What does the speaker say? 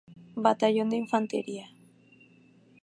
Batallón de Infantería.